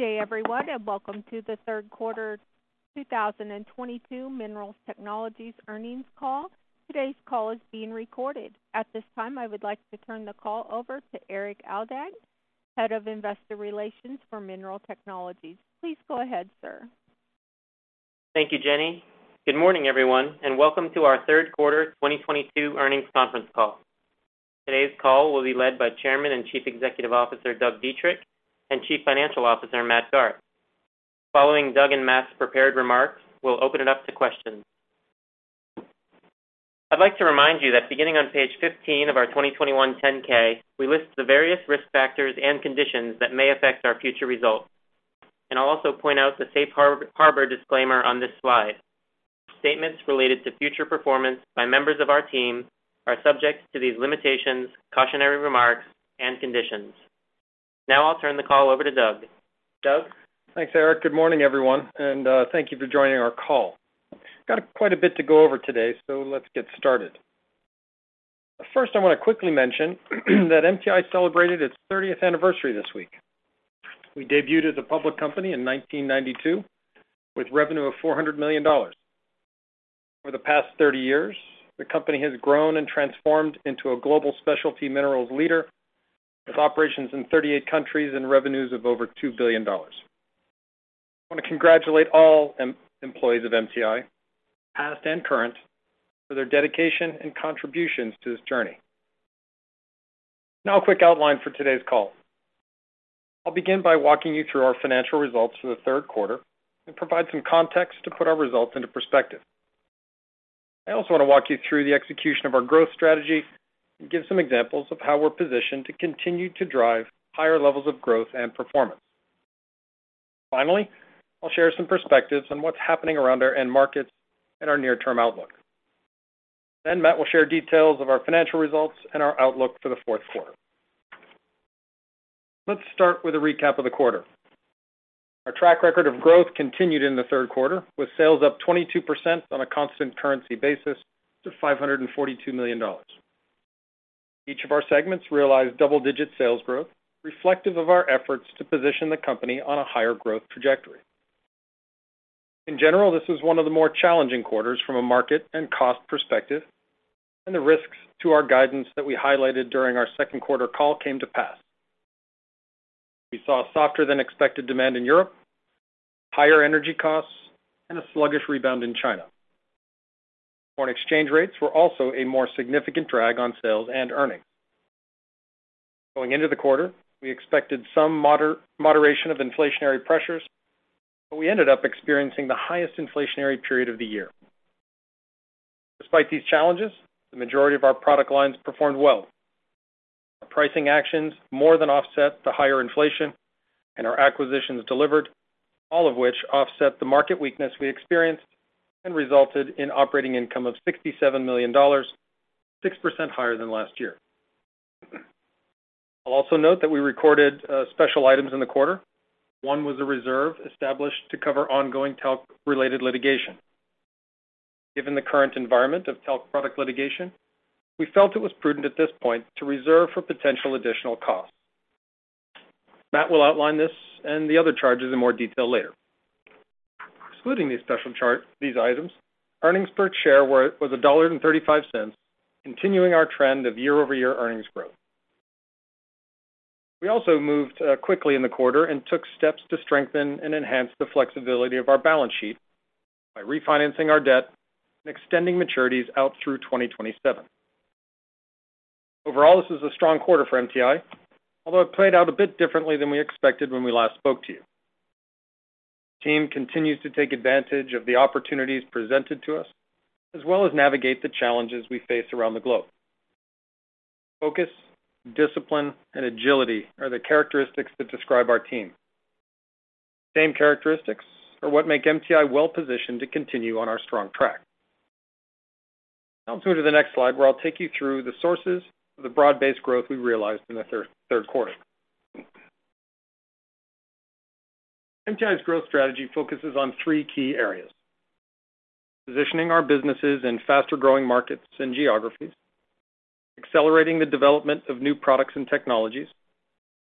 Good day everyone, and welcome to the third quarter 2022 Minerals Technologies earnings call. Today's call is being recorded. At this time, I would like to turn the call over to Erik Aldag, Head of Investor Relations for Minerals Technologies. Please go ahead, sir. Thank you, Jenny. Good morning everyone, and welcome to our third quarter 2022 earnings conference call. Today's call will be led by Chairman and Chief Executive Officer, Doug Dietrich, and Chief Financial Officer, Matt Garth. Following Doug and Matt's prepared remarks, we'll open it up to questions. I'd like to remind you that beginning on page 15 of our 2021 10-K, we list the various risk factors and conditions that may affect our future results. I'll also point out the safe harbor disclaimer on this slide. Statements related to future performance by members of our team are subject to these limitations, cautionary remarks, and conditions. Now I'll turn the call over to Doug. Doug? Thanks, Erik. Good morning, everyone, and thank you for joining our call. Got quite a bit to go over today, so let's get started. First, I want to quickly mention that MTI celebrated its 30th anniversary this week. We debuted as a public company in 1992 with revenue of $400 million. Over the past 30 years, the company has grown and transformed into a global specialty minerals leader with operations in 38 countries and revenues of over $2 billion. I want to congratulate all employees of MTI, past and current, for their dedication and contributions to this journey. Now a quick outline for today's call. I'll begin by walking you through our financial results for the third quarter and provide some context to put our results into perspective. I also want to walk you through the execution of our growth strategy and give some examples of how we're positioned to continue to drive higher levels of growth and performance. Finally, I'll share some perspectives on what's happening around our end markets and our near-term outlook. Matt will share details of our financial results and our outlook for the fourth quarter. Let's start with a recap of the quarter. Our track record of growth continued in the third quarter, with sales up 22% on a constant currency basis to $542 million. Each of our segments realized double-digit sales growth reflective of our efforts to position the company on a higher growth trajectory. In general, this is one of the more challenging quarters from a market and cost perspective, and the risks to our guidance that we highlighted during our second quarter call came to pass. We saw softer than expected demand in Europe, higher energy costs, and a sluggish rebound in China. Foreign exchange rates were also a more significant drag on sales and earnings. Going into the quarter, we expected some moderation of inflationary pressures, but we ended up experiencing the highest inflationary period of the year. Despite these challenges, the majority of our product lines performed well. Our pricing actions more than offset the higher inflation and our acquisitions delivered, all of which offset the market weakness we experienced and resulted in operating income of $67 million, 6% higher than last year. I'll also note that we recorded special items in the quarter. One was a reserve established to cover ongoing talc-related litigation. Given the current environment of talc product litigation, we felt it was prudent at this point to reserve for potential additional costs. Matt will outline this and the other charges in more detail later. Excluding these special items, earnings per share was $1.35, continuing our trend of year-over-year earnings growth. We also moved quickly in the quarter and took steps to strengthen and enhance the flexibility of our balance sheet by refinancing our debt and extending maturities out through 2027. Overall, this was a strong quarter for MTI, although it played out a bit differently than we expected when we last spoke to you. The team continues to take advantage of the opportunities presented to us, as well as navigate the challenges we face around the globe. Focus, discipline, and agility are the characteristics that describe our team. Same characteristics are what make MTI well positioned to continue on our strong track. Now let's move to the next slide, where I'll take you through the sources of the broad-based growth we realized in the third quarter. MTI's growth strategy focuses on three key areas, positioning our businesses in faster-growing markets and geographies, accelerating the development of new products and technologies,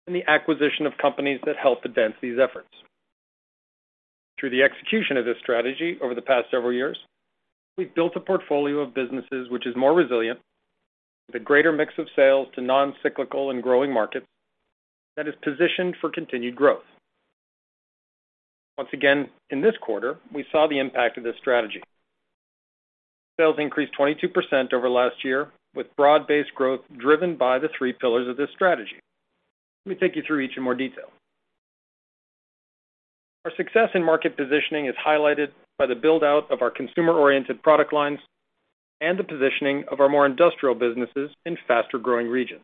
and the acquisition of companies that help advance these efforts. Through the execution of this strategy over the past several years, we've built a portfolio of businesses which is more resilient, with a greater mix of sales to non-cyclical and growing markets that is positioned for continued growth. Once again, in this quarter, we saw the impact of this strategy. Sales increased 22% over last year, with broad-based growth driven by the three pillars of this strategy. Let me take you through each in more detail. Our success in market positioning is highlighted by the build-out of our consumer-oriented product lines and the positioning of our more industrial businesses in faster-growing regions.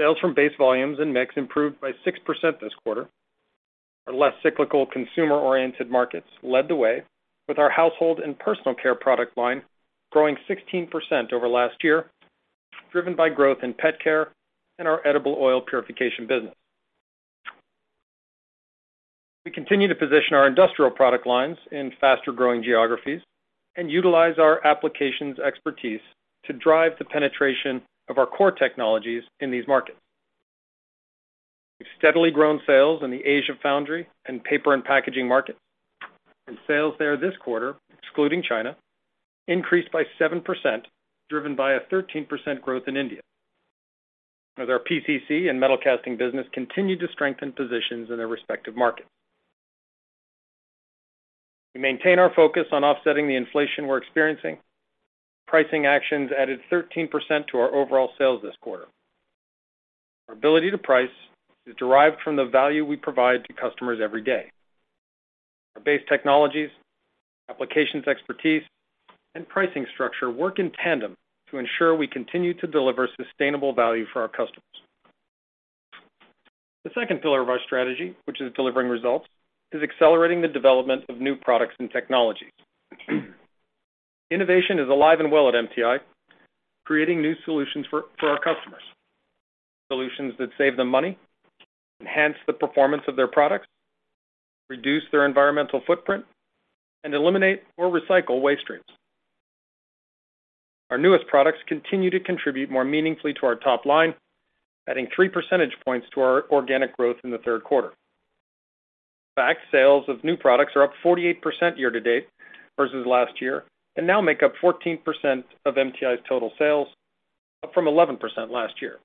Sales from base volumes and mix improved by 6% this quarter. Our less cyclical consumer-oriented markets led the way with our Household & Personal Care product line growing 16% over last year, driven by growth in Pet Care and our Edible Oil Purification business. We continue to position our industrial product lines in faster-growing geographies and utilize our applications expertise to drive the penetration of our core technologies in these markets. We've steadily grown sales in the Asia foundry and paper and packaging markets, and sales there this quarter, excluding China, increased by 7%, driven by a 13% growth in India, as our PCC and Metalcasting business continue to strengthen positions in their respective markets. We maintain our focus on offsetting the inflation we're experiencing. Pricing actions added 13% to our overall sales this quarter. Our ability to price is derived from the value we provide to customers every day. Our base technologies, applications expertise, and pricing structure work in tandem to ensure we continue to deliver sustainable value for our customers. The second pillar of our strategy, which is delivering results, is accelerating the development of new products and technologies. Innovation is alive and well at MTI, creating new solutions for our customers, solutions that save them money, enhance the performance of their products, reduce their environmental footprint, and eliminate or recycle waste streams. Our newest products continue to contribute more meaningfully to our top line, adding three percentage points to our organic growth in the third quarter. In fact, sales of new products are up 48% year-to-date versus last year and now make up 14% of MTI's total sales, up from 11% last year.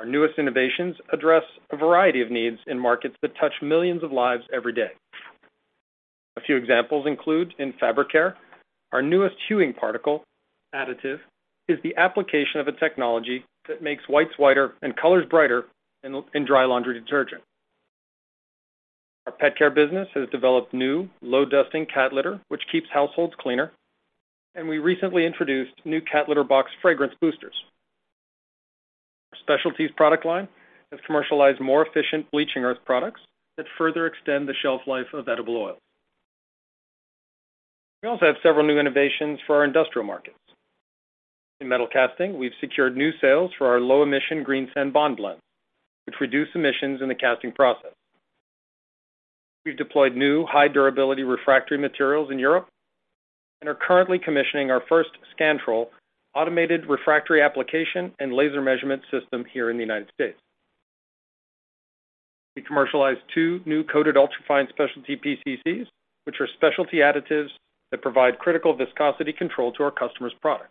Our newest innovations address a variety of needs in markets that touch millions of lives every day. A few examples include in Fabric Care, our newest hueing particle additive is the application of a technology that makes whites whiter and colors brighter in dry laundry detergent. Our Pet Care business has developed new low-dusting cat litter, which keeps households cleaner, and we recently introduced new cat litter box fragrance boosters. Our Specialties product line has commercialized more efficient bleaching earth products that further extend the shelf life of edible oil. We also have several new innovations for our industrial markets. In Metalcasting, we've secured new sales for our low-emission green sand bond blends, which reduce emissions in the casting process. We've deployed new high-durability refractory materials in Europe and are currently commissioning our first SCANTROL automated refractory application and laser measurement system here in the United States. We commercialized two new coated ultra fine Specialty PCCs, which are specialty additives that provide critical viscosity control to our customer's product.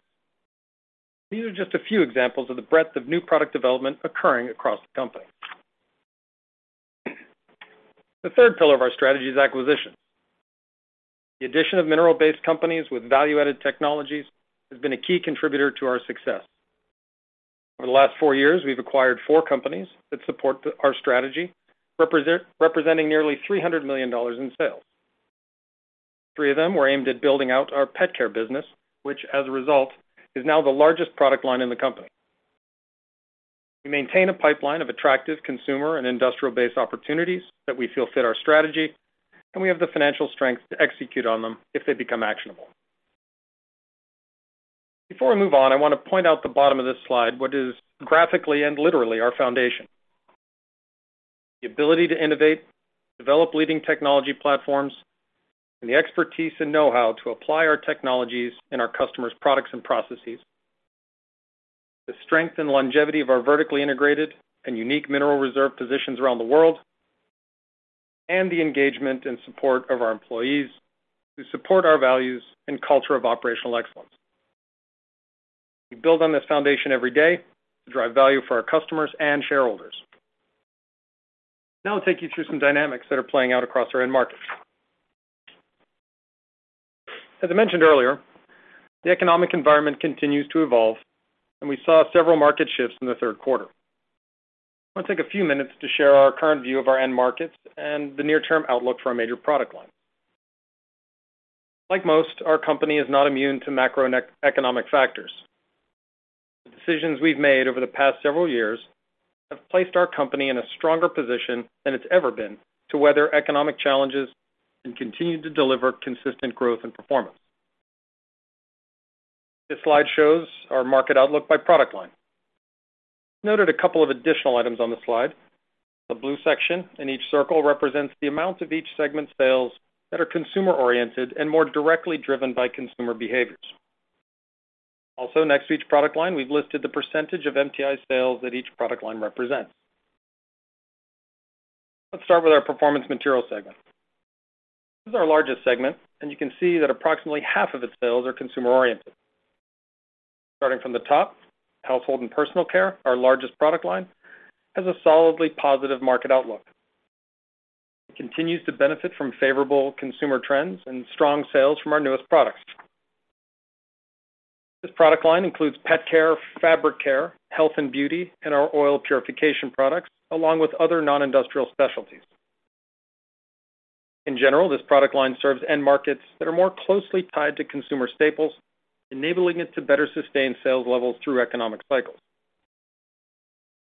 These are just a few examples of the breadth of new product development occurring across the company. The third pillar of our strategy is acquisition. The addition of mineral-based companies with value-added technologies has been a key contributor to our success. Over the last four years, we've acquired four companies that support our strategy, representing nearly $300 million in sales. Three of them were aimed at building out our Pet Care business, which as a result, is now the largest product line in the company. We maintain a pipeline of attractive consumer and industrial-based opportunities that we feel fit our strategy, and we have the financial strength to execute on them if they become actionable. Before we move on, I wanna point out the bottom of this slide, what is graphically and literally our foundation. The ability to innovate, develop leading technology platforms, and the expertise and know-how to apply our technologies in our customers' products and processes. The strength and longevity of our vertically integrated and unique mineral reserve positions around the world. The engagement and support of our employees who support our values and culture of operational excellence. We build on this foundation every day to drive value for our customers and shareholders. Now I'll take you through some dynamics that are playing out across our end markets. As I mentioned earlier, the economic environment continues to evolve, and we saw several market shifts in the third quarter. I wanna take a few minutes to share our current view of our end markets and the near-term outlook for our major product lines. Like most, our company is not immune to macroeconomic factors. The decisions we've made over the past several years have placed our company in a stronger position than it's ever been to weather economic challenges and continue to deliver consistent growth and performance. This slide shows our market outlook by product line. Noted a couple of additional items on the slide. The blue section in each circle represents the amount of each segment's sales that are consumer-oriented and more directly driven by consumer behaviors. Also, next to each product line, we've listed the percentage of MTI sales that each product line represents. Let's start with our Performance Materials segment. This is our largest segment, and you can see that approximately half of its sales are consumer-oriented. Starting from the top, Household & Personal Care, our largest product line, has a solidly positive market outlook. It continues to benefit from favorable consumer trends and strong sales from our newest products. This product line includes Pet Care, Fabric Care, Health & Beauty, and our Oil Purification products, along with other non-industrial specialties. In general, this product line serves end markets that are more closely tied to consumer staples, enabling it to better sustain sales levels through economic cycles.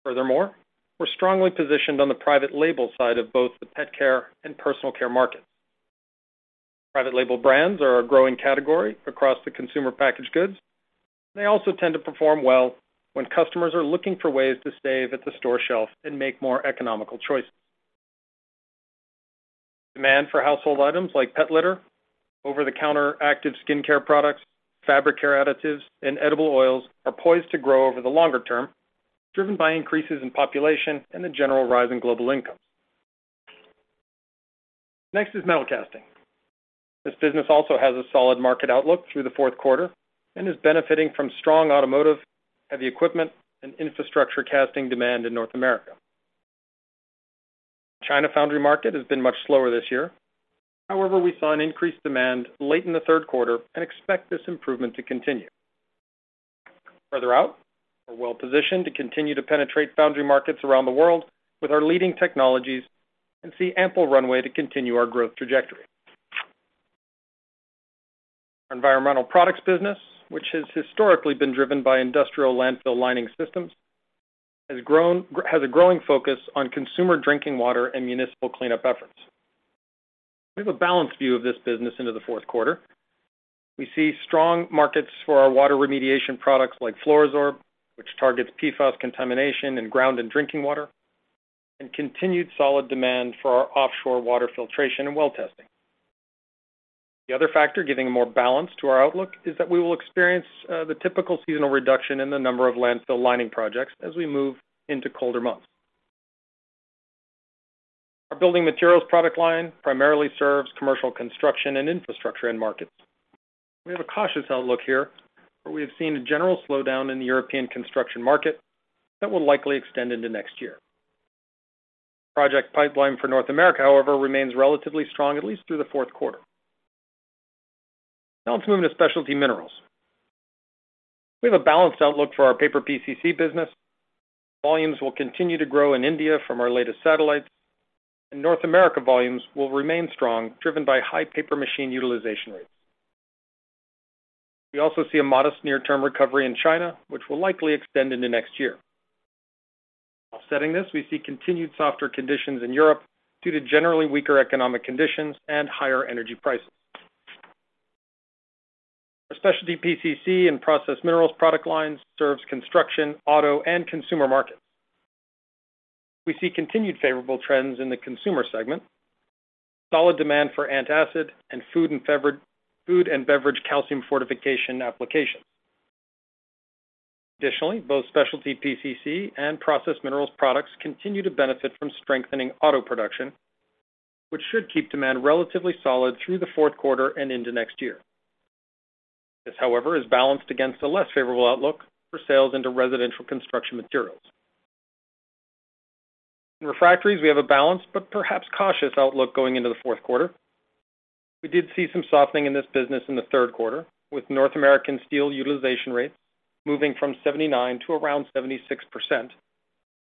Furthermore, we're strongly positioned on the private label side of both the Pet Care and Personal Care markets. Private label brands are a growing category across the consumer packaged goods. They also tend to perform well when customers are looking for ways to save at the store shelf and make more economical choices. Demand for household items like pet litter, over-the-counter active skincare products, Fabric Care additives, and edible oils are poised to grow over the longer term, driven by increases in population and the general rise in global income. Next is Metalcasting. This business also has a solid market outlook through the fourth quarter and is benefiting from strong automotive, heavy equipment, and infrastructure casting demand in North America. China foundry market has been much slower this year. However, we saw an increased demand late in the third quarter and expect this improvement to continue. Further out, we're well-positioned to continue to penetrate foundry markets around the world with our leading technologies and see ample runway to continue our growth trajectory. Our environmental products business, which has historically been driven by industrial landfill lining systems, has a growing focus on consumer drinking water and municipal cleanup efforts. We have a balanced view of this business into the fourth quarter. We see strong markets for our water remediation products like FLUORO-SORB, which targets PFAS contamination in ground and drinking water, and continued solid demand for our offshore water filtration and well testing. The other factor giving a more balanced outlook is that we will experience the typical seasonal reduction in the number of landfill lining projects as we move into colder months. Our building materials product line primarily serves commercial construction and infrastructure end markets. We have a cautious outlook here, where we have seen a general slowdown in the European construction market that will likely extend into next year. Project pipeline for North America, however, remains relatively strong at least through the fourth quarter. Now let's move into Specialty Minerals. We have a balanced outlook for our Paper PCC business. Volumes will continue to grow in India from our latest satellites, and North America volumes will remain strong, driven by high paper machine utilization rates. We also see a modest near-term recovery in China, which will likely extend into next year. Offsetting this, we see continued softer conditions in Europe due to generally weaker economic conditions and higher energy prices. Our Specialty PCC and Processed Minerals product lines serves construction, auto, and consumer markets. We see continued favorable trends in the consumer segment, solid demand for antacid and food and beverage calcium fortification applications. Additionally, both Specialty PCC and Processed Minerals products continue to benefit from strengthening auto production, which should keep demand relatively solid through the fourth quarter and into next year. This, however, is balanced against a less favorable outlook for sales into residential construction materials. In Refractories, we have a balanced but perhaps cautious outlook going into the fourth quarter. We did see some softening in this business in the third quarter, with North American steel utilization rates moving from 79% to around 76%,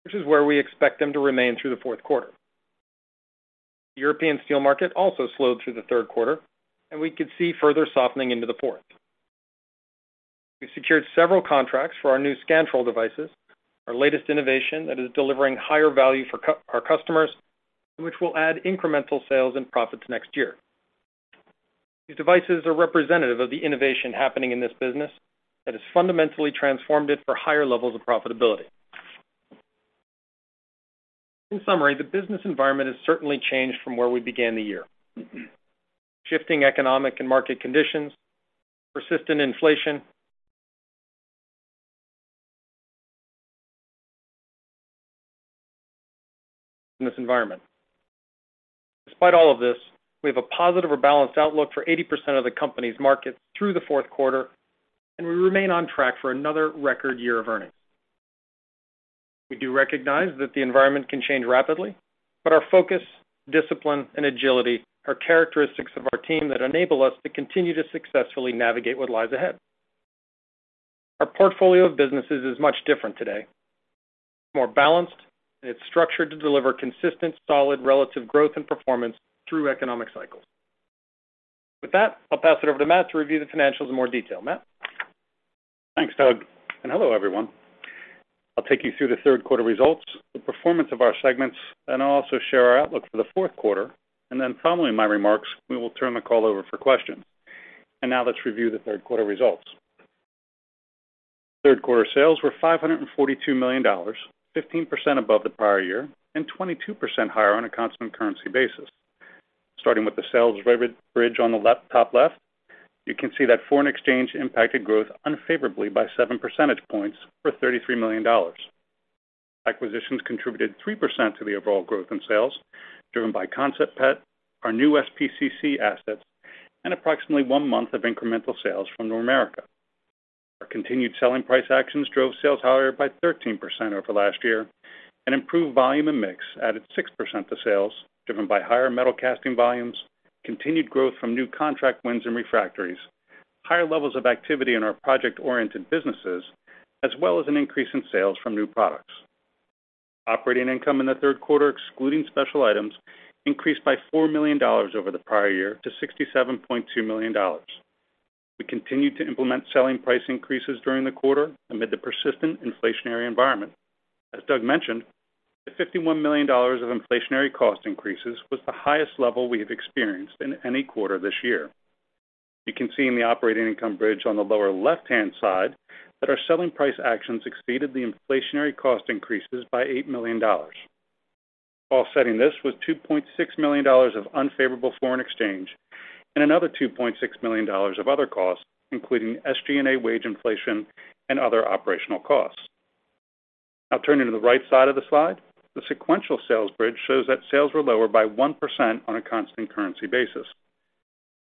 which is where we expect them to remain through the fourth quarter. The European steel market also slowed through the third quarter, and we could see further softening into the fourth. We secured several contracts for our new SCANTROL devices, our latest innovation that is delivering higher value for our customers, which will add incremental sales and profits next year. These devices are representative of the innovation happening in this business that has fundamentally transformed it for higher levels of profitability. In summary, the business environment has certainly changed from where we began the year. Shifting economic and market conditions, persistent inflation in this environment. Despite all of this, we have a positive or balanced outlook for 80% of the company's markets through the fourth quarter, and we remain on track for another record year of earnings. We do recognize that the environment can change rapidly, but our focus, discipline, and agility are characteristics of our team that enable us to continue to successfully navigate what lies ahead. Our portfolio of businesses is much different today. More balanced, and it's structured to deliver consistent, solid, relative growth and performance through economic cycles. With that, I'll pass it over to Matt to review the financials in more detail. Matt? Thanks, Doug, and hello, everyone. I'll take you through the third quarter results, the performance of our segments, and I'll also share our outlook for the fourth quarter. Finally, my remarks, we will turn the call over for questions. Now let's review the third quarter results. Third quarter sales were $542 million, 15% above the prior year and 22% higher on a constant currency basis. Starting with the sales revenue bridge on the left, top left, you can see that foreign exchange impacted growth unfavorably by 7 percentage points for $33 million. Acquisitions contributed 3% to the overall growth in sales, driven by Concept Pet, our new Specialty PCC assets, and approximately one month of incremental sales from Normerica. Our continued selling price actions drove sales higher by 13% over last year and improved volume and mix added 6% to sales, driven by higher Metalcasting volumes, continued growth from new contract wins in Refractories, higher levels of activity in our project-oriented businesses, as well as an increase in sales from new products. Operating income in the third quarter, excluding special items, increased by $4 million over the prior year to $67.2 million. We continued to implement selling price increases during the quarter amid the persistent inflationary environment. As Doug mentioned, the $51 million of inflationary cost increases was the highest level we have experienced in any quarter this year. You can see in the operating income bridge on the lower left-hand side that our selling price actions exceeded the inflationary cost increases by $8 million. Offsetting this was $2.6 million of unfavorable foreign exchange and another $2.6 million of other costs, including SG&A wage inflation and other operational costs. Now turning to the right side of the slide, the sequential sales bridge shows that sales were lower by 1% on a constant currency basis.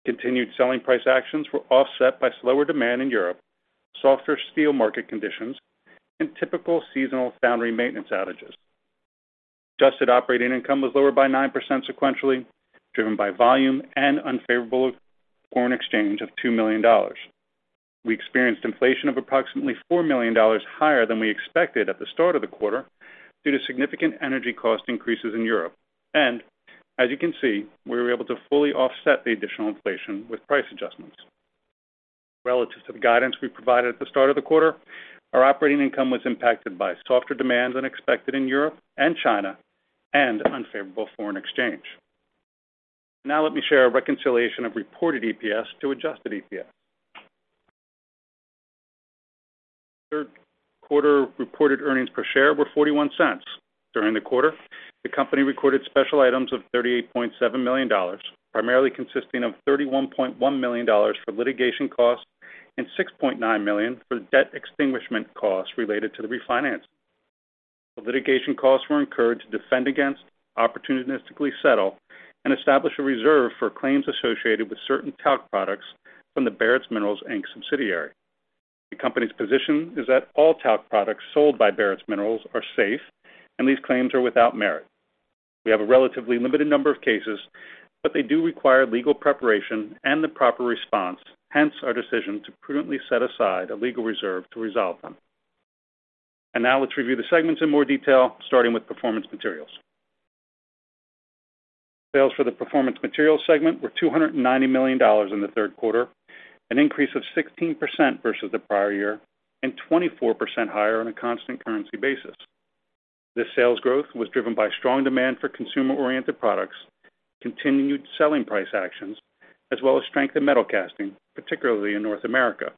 Continued selling price actions were offset by slower demand in Europe, softer steel market conditions, and typical seasonal foundry maintenance outages. Adjusted operating income was lower by 9% sequentially, driven by volume and unfavorable foreign exchange of $2 million. We experienced inflation of approximately $4 million higher than we expected at the start of the quarter due to significant energy cost increases in Europe. As you can see, we were able to fully offset the additional inflation with price adjustments. Relative to the guidance we provided at the start of the quarter, our operating income was impacted by softer demand than expected in Europe and China and unfavorable foreign exchange. Now let me share a reconciliation of reported EPS to adjusted EPS. Third quarter reported earnings per share were $0.41. During the quarter, the company recorded special items of $38.7 million, primarily consisting of $31.1 million for litigation costs and $6.9 million for debt extinguishment costs related to the refinance. The litigation costs were incurred to defend against, opportunistically settle, and establish a reserve for claims associated with certain talc products from the Barretts Minerals Inc. subsidiary. The company's position is that all talc products sold by Barretts Minerals are safe, and these claims are without merit. We have a relatively limited number of cases, but they do require legal preparation and the proper response, hence our decision to prudently set aside a legal reserve to resolve them. Now let's review the segments in more detail, starting with Performance Materials. Sales for the Performance Materials segment were $290 million in the third quarter, an increase of 16% versus the prior year and 24% higher on a constant currency basis. This sales growth was driven by strong demand for consumer-oriented products, continued selling price actions, as well as strength in Metalcasting, particularly in North America.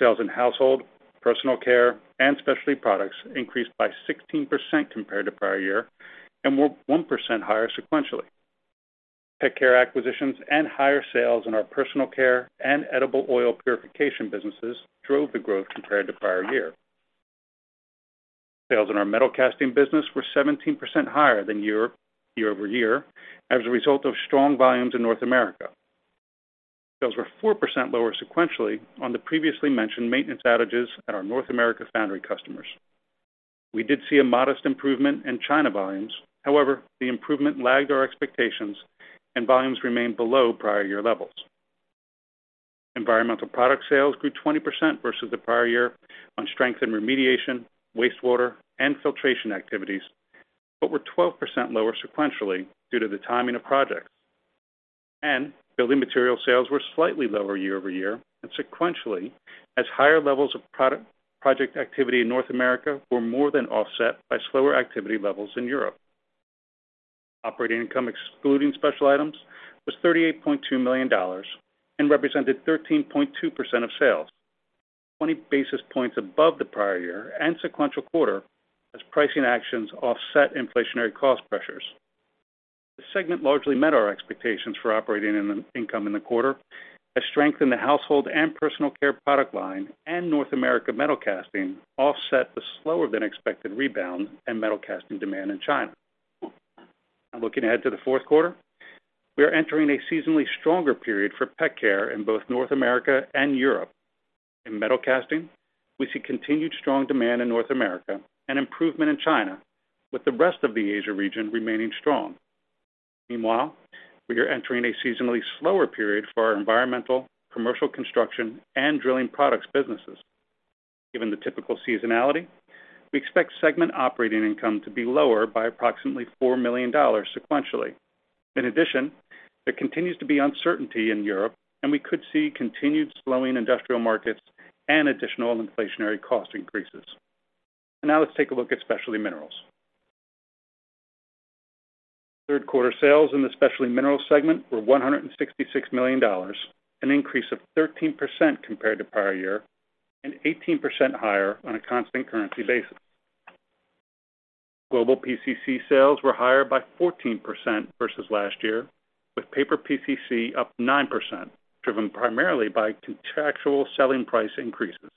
Sales in Household, Personal Care & Specialty Products increased by 16% compared to prior year and were 1% higher sequentially. Pet Care acquisitions and higher sales in our Personal Care and Edible Oil Purification businesses drove the growth compared to prior year. Sales in our Metalcasting business were 17% higher year-over-year as a result of strong volumes in North America. Sales were 4% lower sequentially on the previously mentioned maintenance outages at our North America foundry customers. We did see a modest improvement in China volumes. However, the improvement lagged our expectations and volumes remained below prior year levels. Environmental product sales grew 20% versus the prior year on strength in remediation, wastewater, and filtration activities, but were 12% lower sequentially due to the timing of projects. Building material sales were slightly lower year-over-year and sequentially, as higher levels of project activity in North America were more than offset by slower activity levels in Europe. Operating income excluding special items was $38.2 million and represented 13.2% of sales, 20 basis points above the prior year and sequential quarter as pricing actions offset inflationary cost pressures. The segment largely met our expectations for operating income in the quarter as strength in the Household & Personal Care product line and North America Metalcasting offset the slower than expected rebound in Metalcasting demand in China. Now looking ahead to the fourth quarter, we are entering a seasonally stronger period for Pet Care in both North America and Europe. In Metalcasting, we see continued strong demand in North America and improvement in China, with the rest of the Asia region remaining strong. Meanwhile, we are entering a seasonally slower period for our environmental, commercial construction, and drilling products businesses. Given the typical seasonality, we expect segment operating income to be lower by approximately $4 million sequentially. In addition, there continues to be uncertainty in Europe, and we could see continued slowing industrial markets and additional inflationary cost increases. Now let's take a look at Specialty Minerals. Third quarter sales in the Specialty Minerals segment were $166 million, an increase of 13% compared to prior year and 18% higher on a constant currency basis. Global PCC sales were higher by 14% versus last year, with paper PCC up 9%, driven primarily by contractual selling price increases.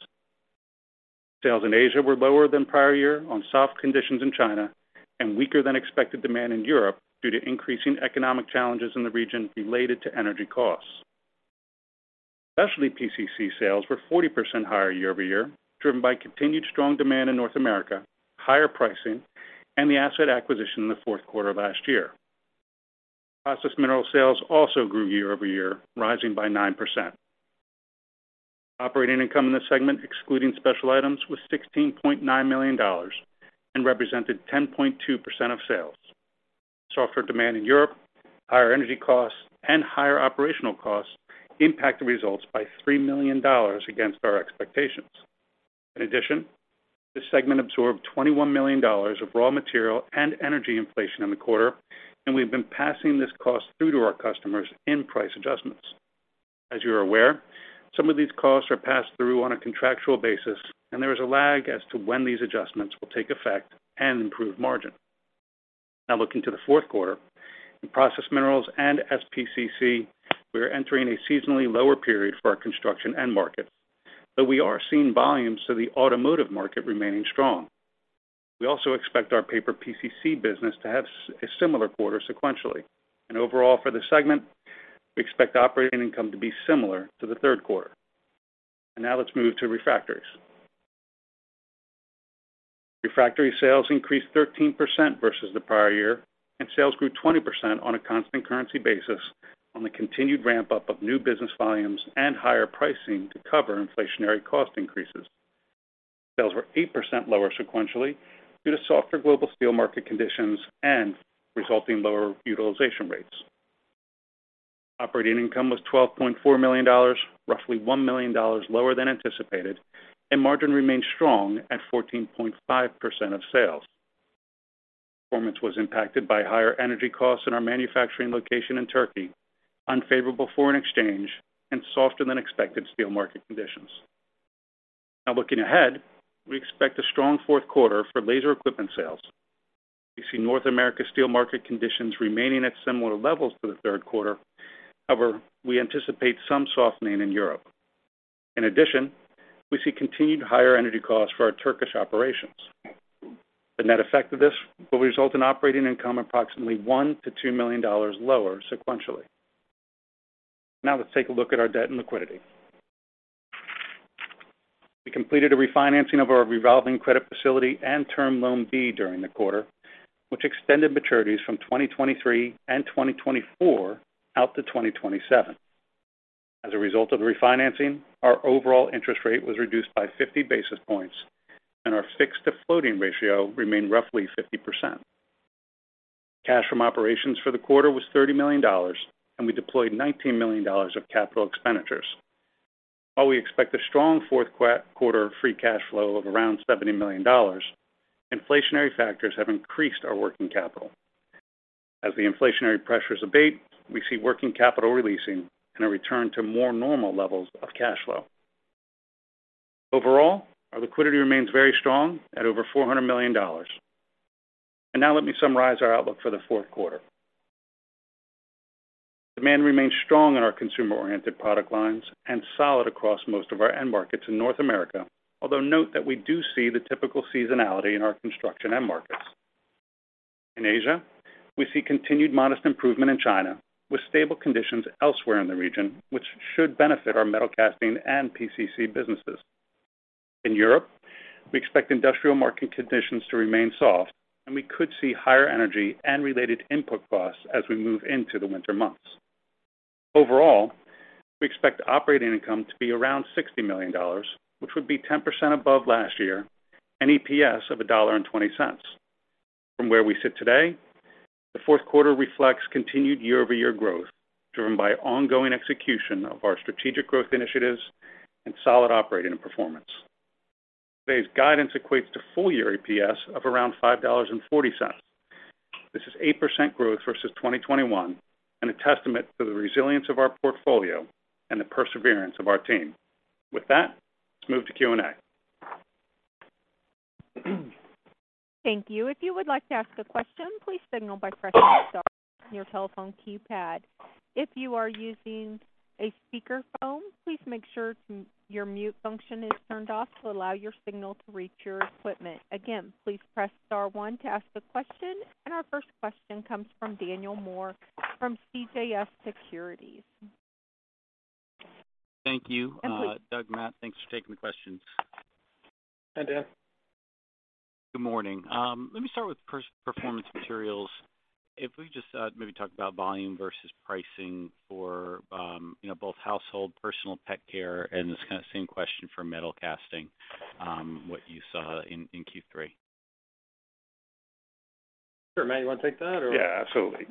Sales in Asia were lower than prior year on soft conditions in China and weaker than expected demand in Europe due to increasing economic challenges in the region related to energy costs. Specialty PCC sales were 40% higher year-over-year, driven by continued strong demand in North America, higher pricing, and the asset acquisition in the fourth quarter of last year. Processed Minerals sales also grew year-over-year, rising by 9%. Operating income in this segment, excluding special items, was $16.9 million and represented 10.2% of sales. Softer demand in Europe, higher energy costs, and higher operational costs impacted results by $3 million against our expectations. In addition, this segment absorbed $21 million of raw material and energy inflation in the quarter, and we've been passing this cost through to our customers in price adjustments. As you're aware, some of these costs are passed through on a contractual basis, and there is a lag as to when these adjustments will take effect and improve margin. Now looking to the fourth quarter. In Processed Minerals and SPCC, we are entering a seasonally lower period for our construction end market, but we are seeing volumes to the automotive market remaining strong. We also expect our paper PCC business to have a similar quarter sequentially. Overall for the segment, we expect operating income to be similar to the third quarter. Now let's move to Refractories. Refractory sales increased 13% versus the prior year, and sales grew 20% on a constant currency basis on the continued ramp-up of new business volumes and higher pricing to cover inflationary cost increases. Sales were 8% lower sequentially due to softer global steel market conditions and resulting lower utilization rates. Operating income was $12.4 million, roughly $1 million lower than anticipated, and margin remained strong at 14.5% of sales. Performance was impacted by higher energy costs in our manufacturing location in Turkey, unfavorable foreign exchange, and softer than expected steel market conditions. Now looking ahead, we expect a strong fourth quarter for laser equipment sales. We see North America steel market conditions remaining at similar levels to the third quarter. However, we anticipate some softening in Europe. In addition, we see continued higher energy costs for our Turkish operations. The net effect of this will result in operating income approximately $1 million-$2 million lower sequentially. Now let's take a look at our debt and liquidity. We completed a refinancing of our revolving credit facility and Term Loan B during the quarter, which extended maturities from 2023 and 2024 out to 2027. As a result of the refinancing, our overall interest rate was reduced by 50 basis points, and our fixed to floating ratio remained roughly 50%. Cash from operations for the quarter was $30 million, and we deployed $19 million of capital expenditures. While we expect a strong fourth quarter free cash flow of around $70 million, inflationary factors have increased our working capital. As the inflationary pressures abate, we see working capital releasing and a return to more normal levels of cash flow. Overall, our liquidity remains very strong at over $400 million. Now let me summarize our outlook for the fourth quarter. Demand remains strong in our consumer-oriented product lines and solid across most of our end markets in North America, although note that we do see the typical seasonality in our construction end markets. In Asia, we see continued modest improvement in China with stable conditions elsewhere in the region, which should benefit our Metalcasting and PCC businesses. In Europe, we expect industrial market conditions to remain soft, and we could see higher energy and related input costs as we move into the winter months. Overall, we expect operating income to be around $60 million, which would be 10% above last year, and EPS of $1.20. From where we sit today, the fourth quarter reflects continued year-over-year growth driven by ongoing execution of our strategic growth initiatives and solid operating performance. Today's guidance equates to full year EPS of around $5.40. This is 8% growth versus 2021 and a testament to the resilience of our portfolio and the perseverance of our team. With that, let's move to Q&A. Thank you. If you would like to ask a question, please signal by pressing star on your telephone keypad. If you are using a speakerphone, please make sure to, your mute function is turned off to allow your signal to reach your equipment. Again, please press star one to ask a question. Our first question comes from Daniel Moore from CJS Securities. Thank you. And please- Doug, Matt, thanks for taking the questions. Hi, Dan. Good morning. Let me start with Performance Materials. If we just maybe talk about volume versus pricing for, you know, both Household & Personal Care and Pet Care and this kind of same question for Metalcasting, what you saw in Q3. Sure. Matt, you wanna take that or? Yeah, absolutely.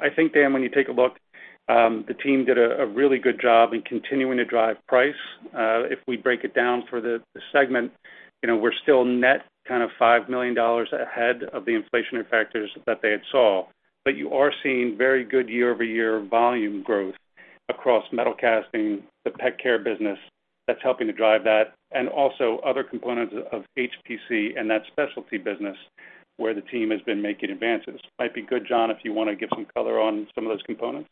I think, Dan, when you take a look, the team did a really good job in continuing to drive price. If we break it down for the segment, you know, we're still net kind of $5 million ahead of the inflationary factors that they had seen. You are seeing very good year-over-year volume growth across Metalcasting, the Pet Care business that's helping to drive that, and also other components of HPC and that specialty business where the team has been making advances. Might be good, Jon, if you wanna give some color on some of those components.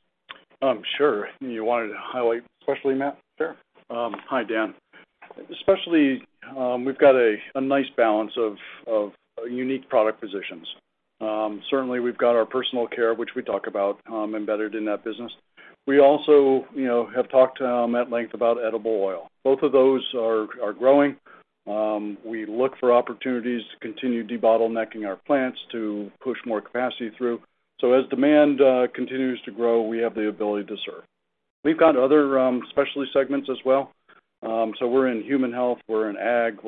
Sure. You wanted to highlight Specialty, Matt? Sure. Hi, Dan. Specialty, we've got a nice balance of unique product positions. Certainly we've got our Personal Care, which we talk about, embedded in that business. We also, you know, have talked at length about edible oil. Both of those are growing. We look for opportunities to continue debottlenecking our plants to push more capacity through. As demand continues to grow, we have the ability to serve. We've got other specialty segments as well. We're in human health, we're in ag,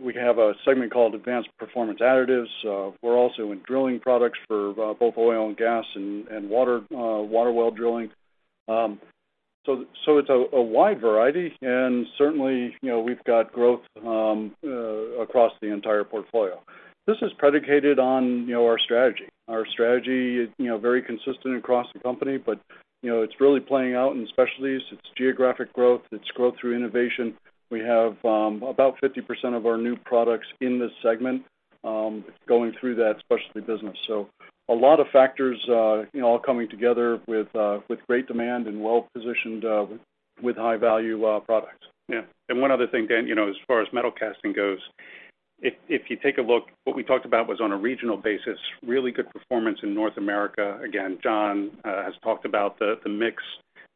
we have a segment called Advanced Performance Additives. We're also in drilling products for both oil and gas and water well drilling. It's a wide variety, and certainly, you know, we've got growth across the entire portfolio. This is predicated on, you know, our strategy. Our strategy, you know, very consistent across the company, but, you know, it's really playing out in Specialties. It's geographic growth, it's growth through innovation. We have about 50% of our new products in this segment going through that specialty business. A lot of factors, you know, all coming together with great demand and well-positioned with high-value products. Yeah. One other thing, Dan, you know, as far as Metalcasting goes, if you take a look, what we talked about was on a regional basis, really good performance in North America. Again, Jon, has talked about the mix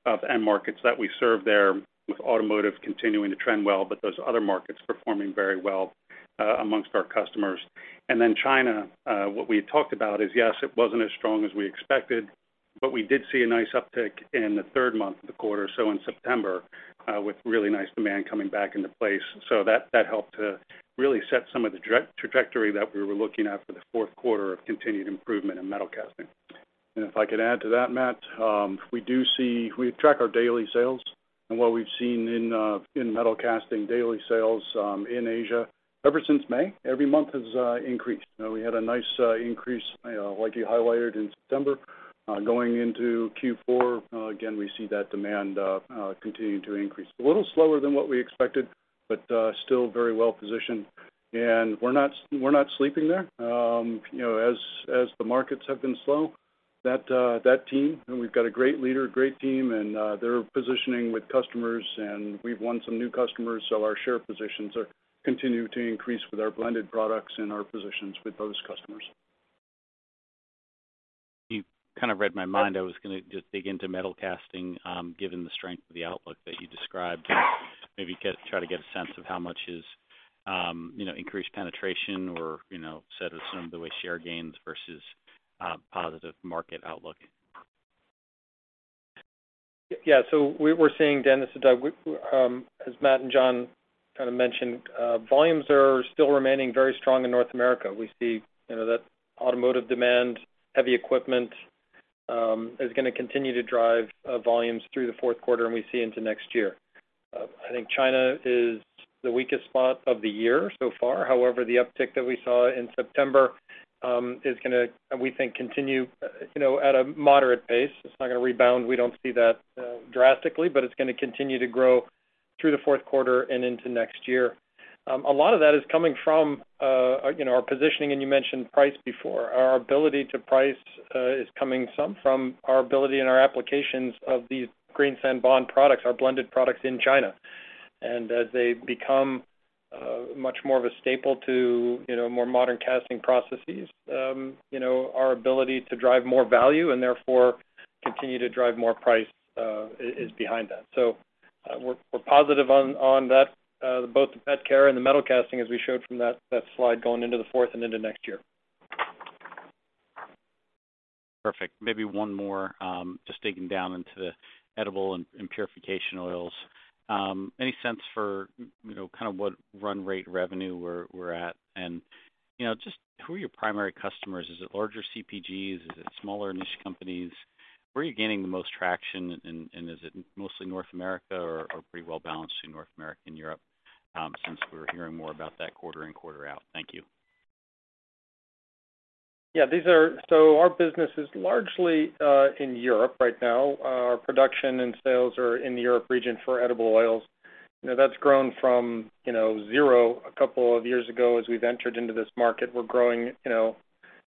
of end markets that we serve there, with automotive continuing to trend well, but those other markets performing very well among our customers. China, what we had talked about is, yes, it wasn't as strong as we expected, but we did see a nice uptick in the third month of the quarter, so in September, with really nice demand coming back into place. That helped to really set some of the directional trajectory that we were looking at for the fourth quarter of continued improvement in Metalcasting. If I could add to that, Matt, we do see. We track our daily sales, and what we've seen in Metalcasting, daily sales in Asia, ever since May, every month has increased. You know, we had a nice increase, like you highlighted in September. Going into Q4, again, we see that demand continuing to increase. A little slower than what we expected, but still very well positioned. We're not sleeping there. You know, as the markets have been slow, that team, and we've got a great leader, great team, and they're positioning with customers and we've won some new customers, so our share positions are continuing to increase with our blended products and our positions with those customers. You kind of read my mind. I was gonna just dig into Metalcasting, given the strength of the outlook that you described, and maybe get a sense of how much is, you know, increased penetration or, you know, so as to weigh share gains versus positive market outlook. Yeah. We're seeing, Dan, this is Doug. As Matt and Jon kind of mentioned, volumes are still remaining very strong in North America. We see, you know, that automotive demand, heavy equipment, is gonna continue to drive volumes through the fourth quarter and we see into next year. I think China is the weakest spot of the year so far. However, the uptick that we saw in September is gonna, we think, continue, you know, at a moderate pace. It's not gonna rebound. We don't see that drastically, but it's gonna continue to grow through the fourth quarter and into next year. A lot of that is coming from, you know, our positioning, and you mentioned price before. Our ability to price is coming somewhat from our ability and our applications of these green sand bond products, our blended products in China. As they become much more of a staple to, you know, more modern casting processes, you know, our ability to drive more value and therefore continue to drive more price is behind that. We're positive on that both the Pet Care and the Metalcasting, as we showed from that slide going into the fourth and into next year. Perfect. Maybe one more, just digging down into the edible and purification oils. Any sense for, you know, kind of what run rate revenue we're at? You know, just who are your primary customers? Is it larger CPGs? Is it smaller niche companies? Where are you gaining the most traction, and is it mostly North America or pretty well-balanced in North America and Europe, since we're hearing more about that quarter in, quarter out? Thank you. Yeah. These are. Our business is largely in Europe right now. Our production and sales are in the Europe region for edible oils. You know, that's grown from, you know, zero a couple of years ago as we ventured into this market. We're growing, you know,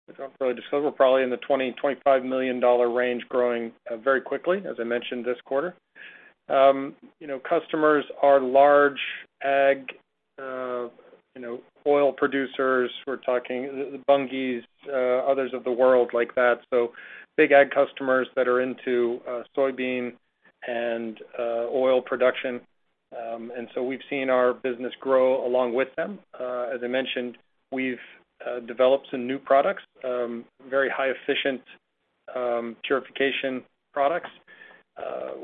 as I probably discovered, we're probably in the $20 million-$25 million range, growing very quickly, as I mentioned this quarter. You know, customers are large ag, you know, oil producers. We're talking Bunge's, others of the world like that. Big ag customers that are into soybean and oil production. We've seen our business grow along with them. As I mentioned, we've developed some new products, very high efficient purification products,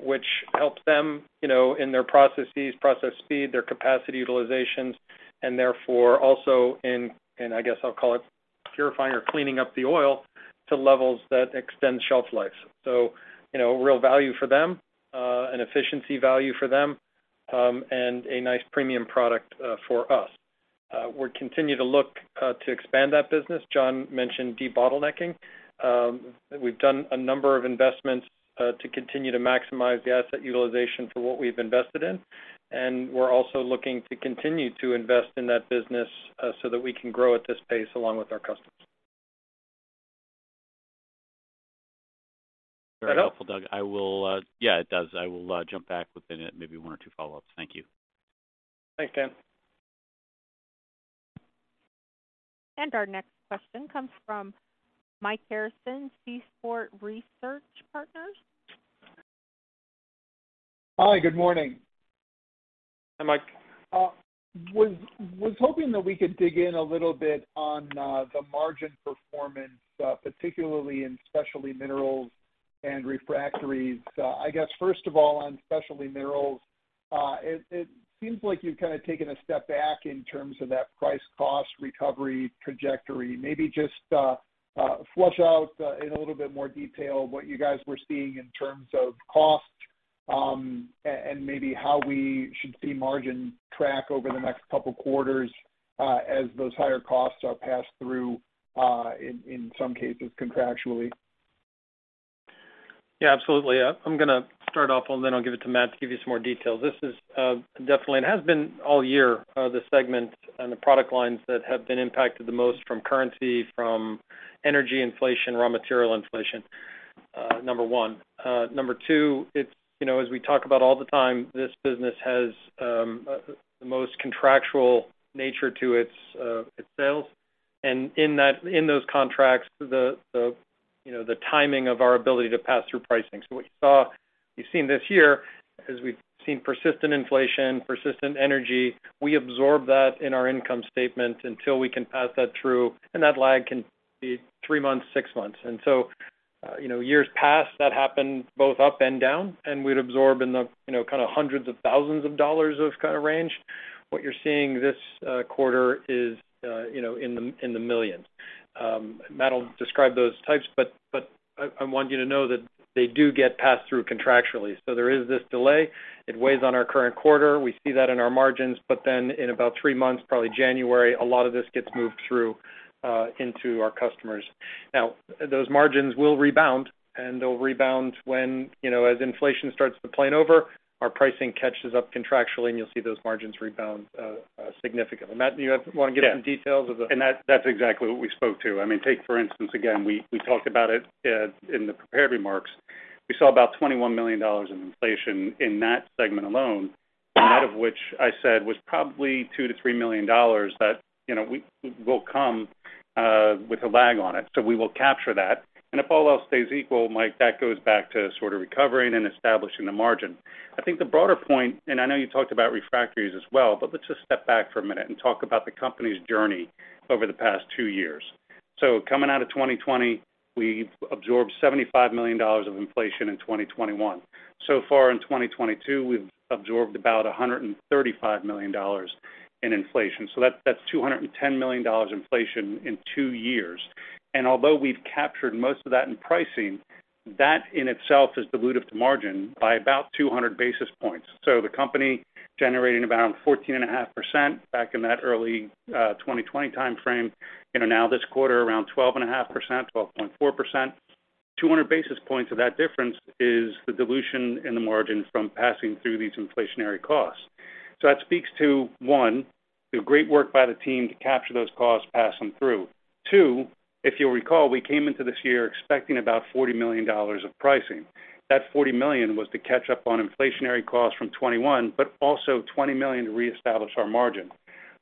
which helps them, you know, in their processes, process speed, their capacity utilizations, and therefore also in, I guess I'll call it purifying or cleaning up the oil to levels that extend shelf life. You know, real value for them, an efficiency value for them, and a nice premium product for us. We'll continue to look to expand that business. Jon mentioned debottlenecking. We've done a number of investments to continue to maximize the asset utilization for what we've invested in, and we're also looking to continue to invest in that business, so that we can grow at this pace along with our customers. Very helpful, Doug. Yeah, it does. I will jump back within it, maybe one or two follow-ups. Thank you. Thanks, Dan. Our next question comes from Mike Harrison, Seaport Research Partners. Hi, good morning. Hi, Mike. Was hoping that we could dig in a little bit on the margin performance, particularly in Specialty Minerals and Refractories. I guess, first of all, on Specialty Minerals, it seems like you've kind of taken a step back in terms of that price cost recovery trajectory. Maybe just flesh out in a little bit more detail what you guys were seeing in terms of cost, and maybe how we should see margin track over the next couple quarters, as those higher costs are passed through, in some cases contractually. Yeah, absolutely. I'm gonna start off, and then I'll give it to Matt to give you some more details. This is definitely, and has been all year, the segment and the product lines that have been impacted the most from currency, from energy inflation, raw material inflation, number one. Number two, it's you know as we talk about all the time, this business has the most contractual nature to its sales. In that, in those contracts, you know the timing of our ability to pass through pricing. What you saw, we've seen this year, as we've seen persistent inflation, persistent energy, we absorb that in our income statement until we can pass that through, and that lag can be three months, six months. You know, years past, that happened both up and down, and we'd absorb in the, you know, kind of hundreds of thousands of dollars of kind of range. What you're seeing this quarter is, you know, in the millions. Matt will describe those types, but I want you to know that they do get passed through contractually. There is this delay. It weighs on our current quarter. We see that in our margins, but then in about three months, probably January, a lot of this gets moved through into our customers. Now, those margins will rebound, and they'll rebound when, you know, as inflation starts to plateau, our pricing catches up contractually, and you'll see those margins rebound significantly. Matt, do you want to give some details of the. Yeah. That's exactly what we spoke to. I mean, take for instance, again, we talked about it in the prepared remarks. We saw about $21 million in inflation in that segment alone, and out of which I said was probably $2 million-$3 million that, you know, we will come with a lag on it. We will capture that. If all else stays equal, Mike, that goes back to sort of recovering and establishing the margin. I think the broader point, and I know you talked about Refractories as well, but let's just step back for a minute and talk about the company's journey over the past two years. Coming out of 2020, we absorbed $75 million of inflation in 2021. So far in 2022, we've absorbed about $135 million in inflation. That's $210 million inflation in two years. Although we've captured most of that in pricing, that in itself is dilutive to margin by about 200 basis points. The company generating around 14.5% back in that early 2020 timeframe, you know, now this quarter, around 12.5%, 12.4%. 200 basis points of that difference is the dilution in the margin from passing through these inflationary costs. That speaks to, one, the great work by the team to capture those costs, pass them through. Two, if you'll recall, we came into this year expecting about $40 million of pricing. That $40 million was to catch up on inflationary costs from 2021, but also $20 million to reestablish our margin.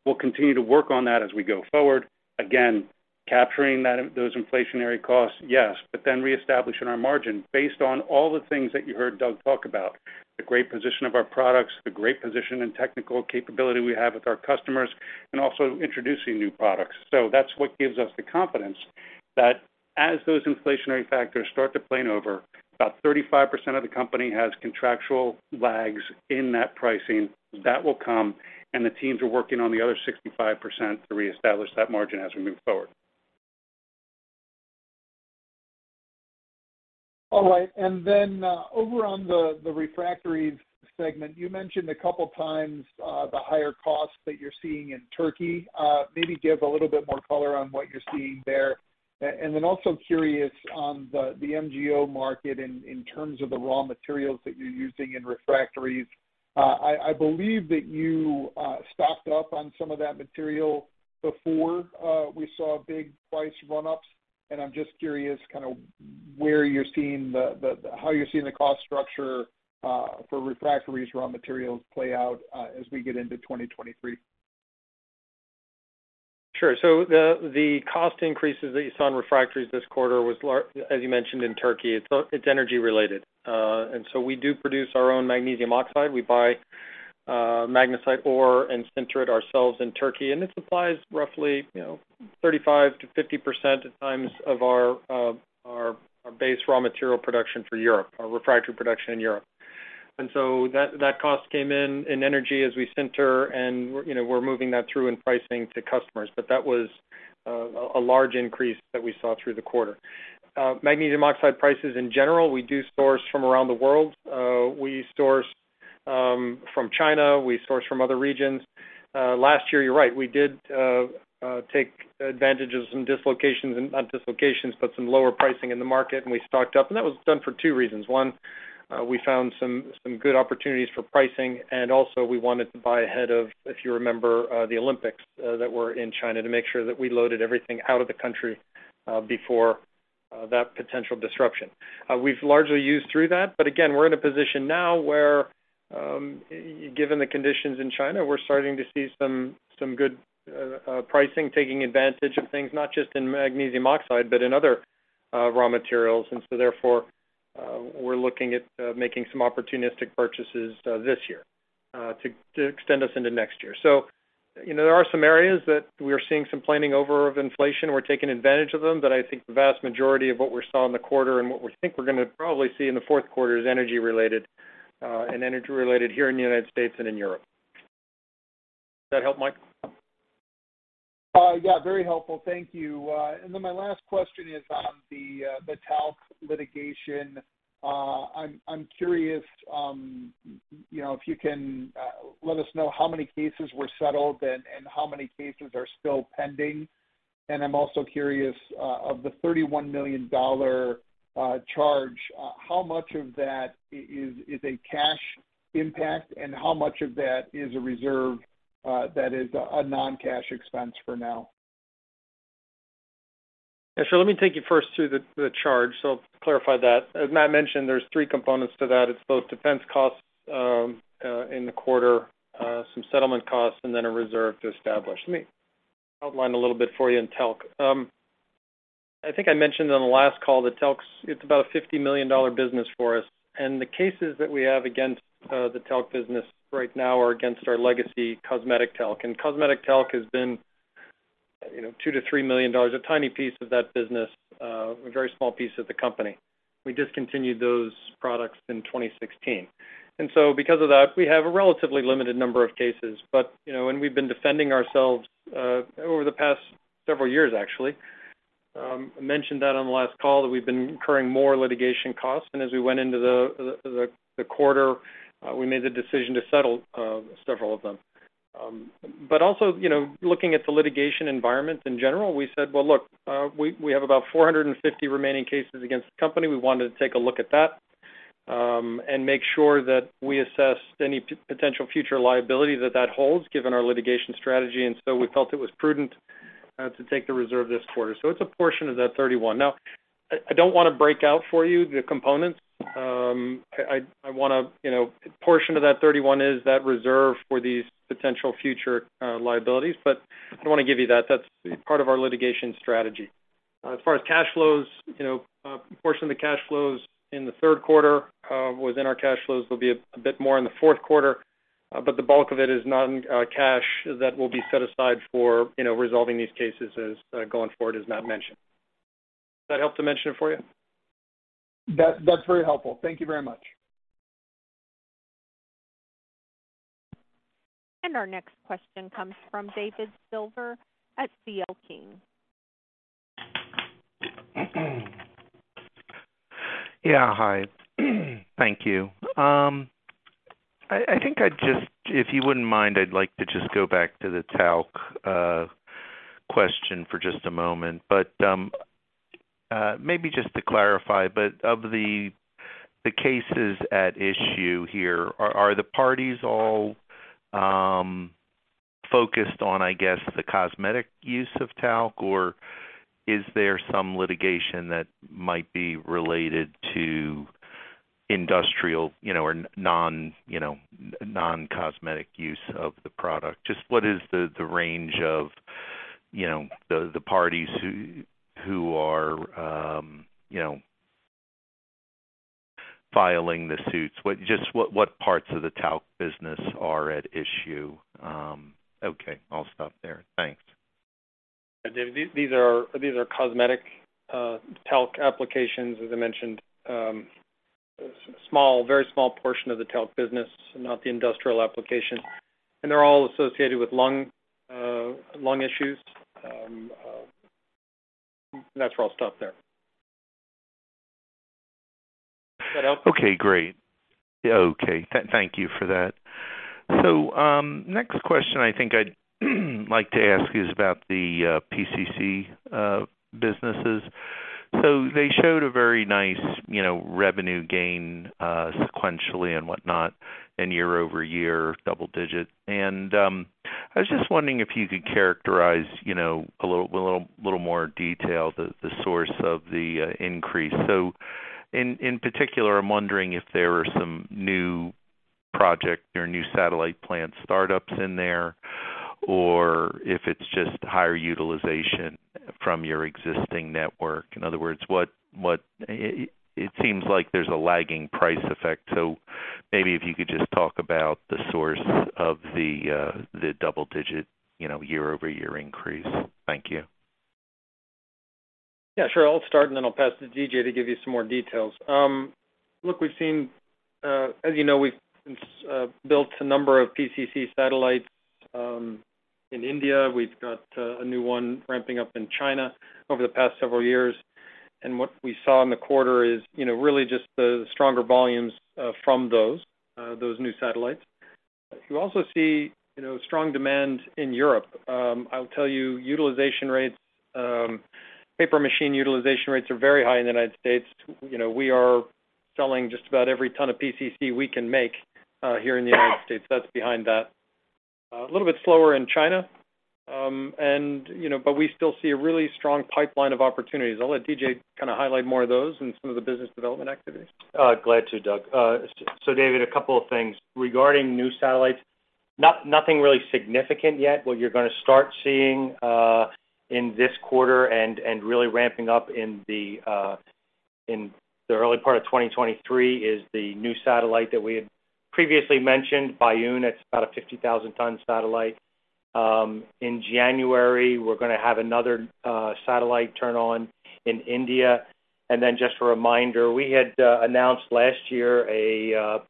We'll continue to work on that as we go forward, again, capturing those inflationary costs, yes, but then reestablishing our margin based on all the things that you heard Doug talk about, the great position of our products, the great position and technical capability we have with our customers, and also introducing new products. That's what gives us the confidence that as those inflationary factors start to play out, about 35% of the company has contractual lags in that pricing. That will come, and the teams are working on the other 65% to reestablish that margin as we move forward. All right. Then, over on the Refractories segment, you mentioned a couple times the higher costs that you're seeing in Turkey. Maybe give a little bit more color on what you're seeing there. Then also curious on the MgO market in terms of the raw materials that you're using in Refractories. I believe that you stocked up on some of that material before we saw big price run-ups, and I'm just curious kind of where you're seeing how you're seeing the cost structure for Refractories raw materials play out as we get into 2023. Sure. The cost increases that you saw in Refractories this quarter was as you mentioned in Turkey, it's energy related. We do produce our own magnesium oxide. We buy magnesite ore and sinter it ourselves in Turkey, and this supplies roughly, you know, 35%-50% at times of our base raw material production for Europe, our refractory production in Europe. That cost came in energy as we sinter, you know, we're moving that through in pricing to customers. That was a large increase that we saw through the quarter. Magnesium oxide prices in general, we do source from around the world. We source from China. We source from other regions. Last year, you're right, we did take advantage of some lower pricing in the market, and we stocked up. That was done for two reasons. One, we found some good opportunities for pricing, and also we wanted to buy ahead of, if you remember, the Olympics that were in China to make sure that we loaded everything out of the country before that potential disruption. We've largely used through that, but again, we're in a position now where, given the conditions in China, we're starting to see some good pricing, taking advantage of things, not just in magnesium oxide, but in other raw materials. Therefore, we're looking at making some opportunistic purchases this year to extend us into next year. You know, there are some areas that we are seeing some pass-through of inflation. We're taking advantage of them, but I think the vast majority of what we saw in the quarter and what we think we're gonna probably see in the fourth quarter is energy related, and energy related here in the United States and in Europe. That help, Mike? Yeah, very helpful. Thank you. My last question is on the talc litigation. I'm curious, you know, if you can let us know how many cases were settled and how many cases are still pending. I'm also curious of the $31 million charge, how much of that is a cash impact, and how much of that is a reserve that is a non-cash expense for now? Yeah. Let me take you first through the charge. Clarify that. As Matt mentioned, there's three components to that. It's both defense costs in the quarter, some settlement costs, and then a reserve to establish. Let me outline a little bit for you in talc. I think I mentioned on the last call that talc's about a $50 million business for us, and the cases that we have against the talc business right now are against our legacy cosmetic talc. Cosmetic talc has been, you know, $2 million-$3 million, a tiny piece of that business, a very small piece of the company. We discontinued those products in 2016. Because of that, we have a relatively limited number of cases. You know, we've been defending ourselves over the past several years, actually. I mentioned that on the last call that we've been incurring more litigation costs, and as we went into the quarter, we made the decision to settle several of them. Also, you know, looking at the litigation environment in general, we said, "Well, look, we have about 450 remaining cases against the company." We wanted to take a look at that, and make sure that we assessed any potential future liability that that holds given our litigation strategy. We felt it was prudent to take the reserve this quarter. It's a portion of that $31. Now, I don't wanna break out for you the components. I wanna, you know, a portion of that $31 is that reserve for these potential future liabilities, but I don't wanna give you that. That's part of our litigation strategy. As far as cash flows, you know, a portion of the cash flows in the third quarter, within our cash flows will be a bit more in the fourth quarter, but the bulk of it is non-cash that will be set aside for, you know, resolving these cases as going forward as Matt mentioned. That help to mention it for you? That's very helpful. Thank you very much. Our next question comes from David Silver at C.L. King. Yeah. Hi. Thank you. I think I'd just. If you wouldn't mind, I'd like to just go back to the talc question for just a moment. Maybe just to clarify, of the cases at issue here, are the parties all focused on, I guess, the cosmetic use of talc, or is there some litigation that might be related to industrial, you know, or non, you know, non-cosmetic use of the product? Just what is the range of, you know, the parties who are, you know, filing the suits? Just what parts of the talc business are at issue? Okay, I'll stop there. Thanks. Yeah. These are cosmetic talc applications, as I mentioned. Small, very small portion of the talc business, not the industrial application. They're all associated with lung issues. That's where I'll stop there. That help? Okay, great. Thank you for that. Next question I think I'd like to ask is about the PCC businesses. They showed a very nice, you know, revenue gain sequentially and whatnot, and year-over-year, double-digit. I was just wondering if you could characterize, you know, a little more detail the source of the increase. In particular, I'm wondering if there are some new project or new satellite plant startups in there, or if it's just higher utilization from your existing network. In other words, what it seems like there's a lagging price effect. Maybe if you could just talk about the source of the double-digit, you know, year-over-year increase. Thank you. Yeah, sure. I'll start, and then I'll pass to D.J. to give you some more details. Look, we've seen, as you know, we've built a number of PCC satellites in India. We've got a new one ramping up in China over the past several years. What we saw in the quarter is, you know, really just the stronger volumes from those new satellites. You also see, you know, strong demand in Europe. I'll tell you, utilization rates, paper machine utilization rates are very high in the United States. You know, we are selling just about every ton of PCC we can make here in the United States. That's behind that. A little bit slower in China. You know, but we still see a really strong pipeline of opportunities. I'll let D.J. kind of highlight more of those and some of the business development activities. Glad to, Doug. David, a couple of things. Regarding new satellites, nothing really significant yet. What you're gonna start seeing in this quarter and really ramping up in the early part of 2023 is the new satellite that we had previously mentioned, Baiyun. It's about a 50,000-ton satellite. In January, we're gonna have another satellite turn on in India. Then just a reminder, we had announced last year a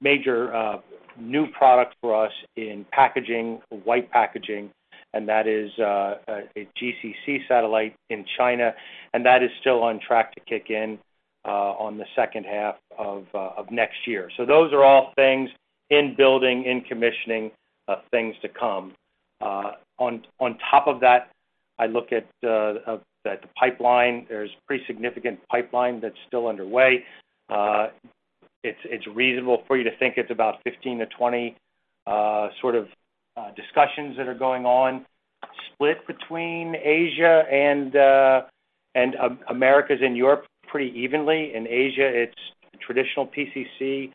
major new product for us in packaging, white packaging, and that is a GCC satellite in China, and that is still on track to kick in on the second half of next year. Those are all things in building, in commissioning, things to come. On top of that, I look at the pipeline. There's pretty significant pipeline that's still underway. It's reasonable for you to think it's about 15-20 sort of discussions that are going on, split between Asia and Americas and Europe pretty evenly. In Asia, it's traditional PCC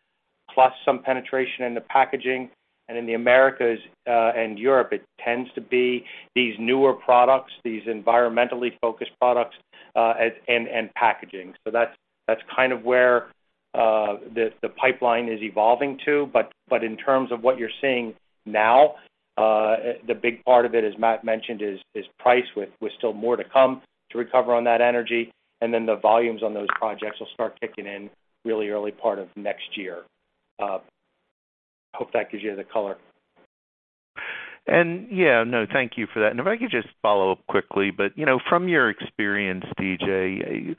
plus some penetration in the packaging. In the Americas and Europe, it tends to be these newer products, these environmentally focused products and packaging. That's kind of where the pipeline is evolving to. But in terms of what you're seeing now, the big part of it, as Matt mentioned, is price, with still more to come to recover on that energy. Then the volumes on those projects will start kicking in really early part of next year. Hope that gives you the color. Yeah, no, thank you for that. If I could just follow up quickly, but you know, from your experience, D.J.,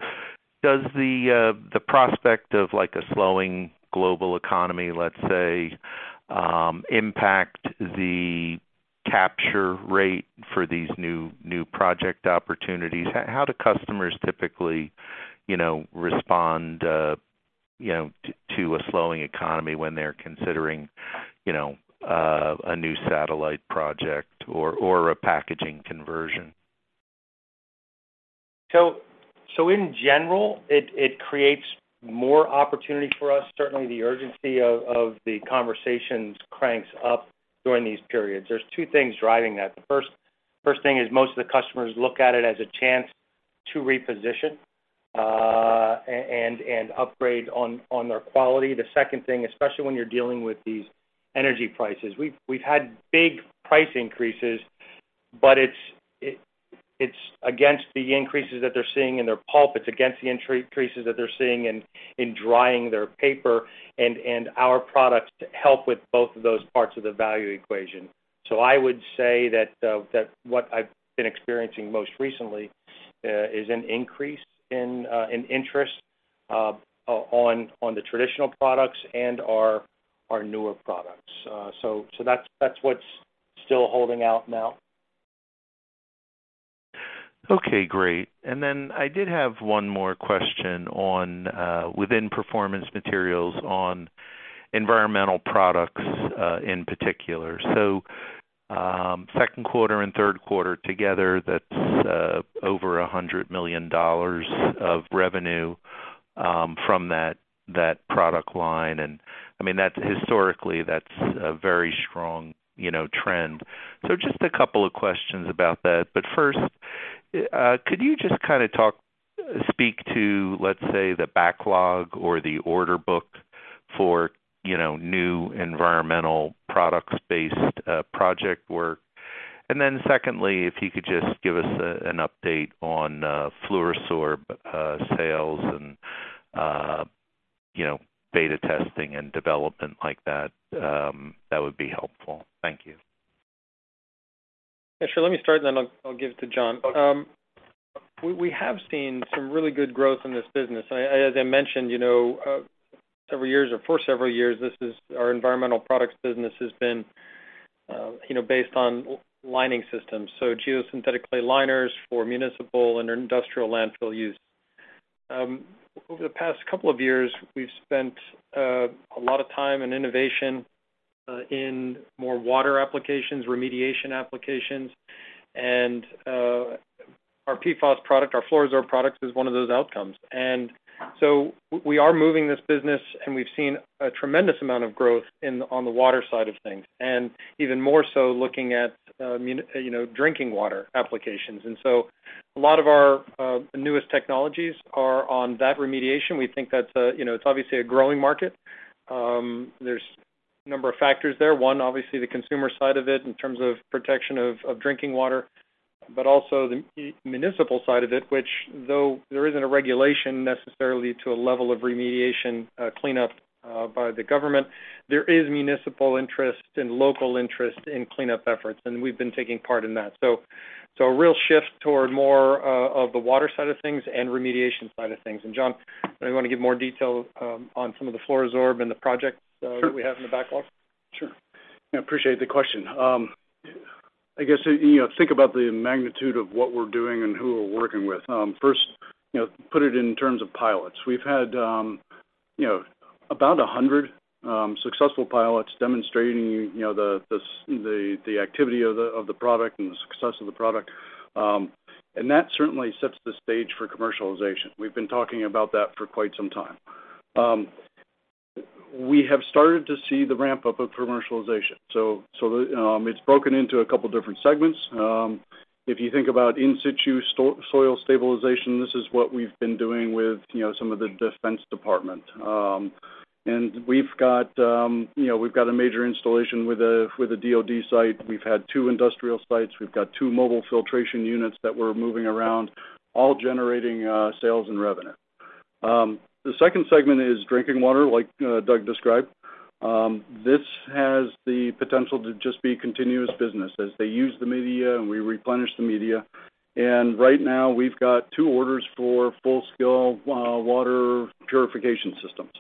does the prospect of like a slowing global economy, let's say, impact the capture rate for these new project opportunities? How do customers typically, you know, respond, you know, to a slowing economy when they're considering, you know, a new satellite project or a packaging conversion? In general, it creates more opportunity for us. Certainly, the urgency of the conversations cranks up during these periods. There are two things driving that. The first thing is most of the customers look at it as a chance to reposition and upgrade on their quality. The second thing, especially when you're dealing with these energy prices, we've had big price increases, but it's against the increases that they're seeing in their pulp. It's against the increases that they're seeing in drying their paper, and our products help with both of those parts of the value equation. I would say that what I've been experiencing most recently is an increase in interest on the traditional products and our newer products. That's what's still holding out now. Okay, great. I did have one more question on within Performance Materials on environmental products in particular. Second quarter and third quarter together, that's over $100 million of revenue from that product line. I mean, that's historically a very strong, you know, trend. Just a couple of questions about that. First, could you just kind of speak to, let's say, the backlog or the order book for, you know, new environmental products-based project work? Then secondly, if you could just give us an update on FLUORO-SORB sales and, you know, beta testing and development like that would be helpful. Thank you. Yeah, sure. Let me start, and then I'll give it to Jon. We have seen some really good growth in this business. I, as I mentioned, you know, several years or for several years, this is our environmental products business has been, you know, based on lining systems, so Geosynthetic Clay Liners for municipal and industrial landfill use. Over the past couple of years, we've spent a lot of time and innovation in more water applications, remediation applications, and our PFAS product, our FLUORO-SORB products, is one of those outcomes. We are moving this business, and we've seen a tremendous amount of growth in the on the water side of things, and even more so looking at you know, drinking water applications. A lot of our newest technologies are on that remediation. We think that's, you know, it's obviously a growing market. There's a number of factors there. One, obviously the consumer side of it in terms of protection of drinking water, but also the municipal side of it, which though there isn't a regulation necessarily to a level of remediation, cleanup by the government, there is municipal interest and local interest in cleanup efforts, and we've been taking part in that. A real shift toward more of the water side of things and remediation side of things. Jon, do you wanna give more detail on some of the FLUORO-SORB and the projects that we have in the backlog? Sure. I appreciate the question. I guess, you know, think about the magnitude of what we're doing and who we're working with. First, you know, put it in terms of pilots. We've had, you know, about 100 successful pilots demonstrating, you know, the activity of the product and the success of the product. That certainly sets the stage for commercialization. We've been talking about that for quite some time. We have started to see the ramp-up of commercialization. It's broken into a couple different segments. If you think about in-situ soil stabilization, this is what we've been doing with, you know, some of the Department of Defense. We've got a major installation with a DoD site. We've had two industrial sites. We've got two mobile filtration units that we're moving around, all generating sales and revenue. The second segment is drinking water, like Doug described. This has the potential to just be continuous business as they use the media, and we replenish the media. Right now, we've got two orders for full-scale water purification systems.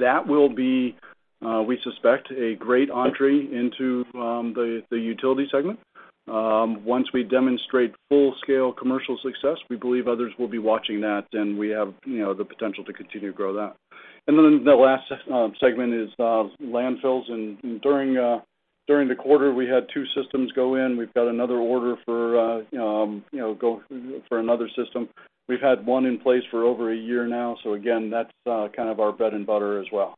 That will be, we suspect, a great entry into the utility segment. Once we demonstrate full-scale commercial success, we believe others will be watching that, and we have, you know, the potential to continue to grow that. Then the last segment is landfills. During the quarter, we had two systems go in. We've got another order for, you know, another system. We've had one in place for over a year now. Again, that's kind of our bread and butter as well.